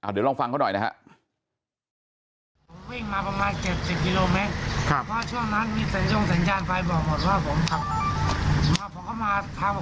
เดี๋ยวลองฟังเขาหน่อยนะครับ